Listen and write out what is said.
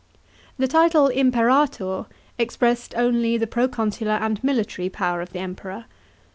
§ 2. The title imperator expressed only the proconsular and military power of the Emperor.